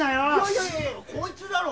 いやいやこいつだろ！